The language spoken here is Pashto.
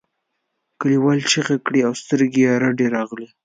کليوالو چیغې کړې او سترګې یې رډې راغلې.